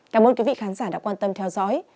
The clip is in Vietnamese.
cảm ơn quý vị khán giả đã quan tâm theo dõi